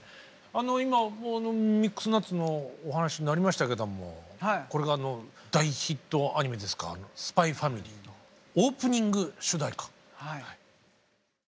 あの今「ミックスナッツ」のお話になりましたけどもこれが大ヒットアニメですか「ＳＰＹ×ＦＡＭＩＬＹ」オープニング主題歌。